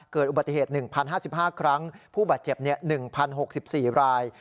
เกิดอุบัติเหตุ๑๐๕๕ครั้งผู้บาดเจ็บ๑๐๖๔ราย